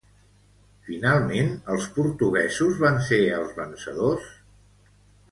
Finalment els portuguesos van ser els vencedors?